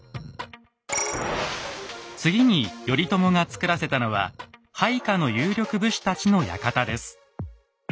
次に頼朝がつくらせたのは配下の有力武士たちの館です。